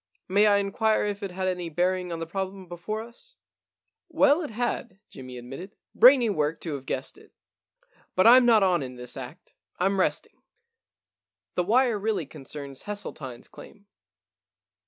May I inquire if it had any bearing on the problem before us ?'* Well, it had,* Jimmy admitted. * Brainy work to have guessed it. But Fm not on in this act — Fm resting. The wire really con cerns Hesseltine*s claim.